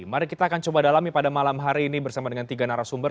mari kita akan coba dalami pada malam hari ini bersama dengan tiga narasumber